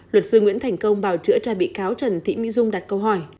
luật sư nguyễn thành công bào chữa tra bị cáo trần thị mỹ dung đặt câu hỏi